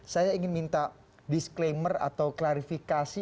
saya ingin minta disclaimer atau klarifikasi